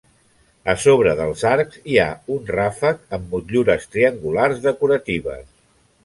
A sobre dels arcs hi ha un ràfec amb motllures triangulars decoratives.